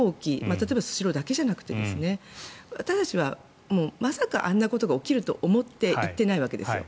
例えばスシローだけじゃなくて私たちは、まさかあんなことが起きると思って行っていないわけですよ。